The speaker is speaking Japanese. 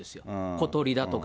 小鳥だとか、